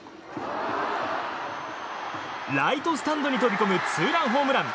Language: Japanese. ライトスタンドに飛び込むツーランホームラン。